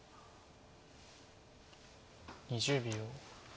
２０秒。